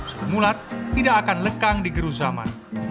sri mulat tidak akan lekang di geruh zaman